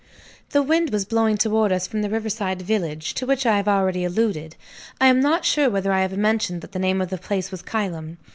The wind was blowing towards us from the river side village, to which I have already alluded. I am not sure whether I have mentioned that the name of the place was Kylam.